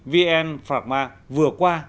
vn pharma vừa qua